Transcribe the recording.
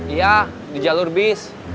iya di jalur bis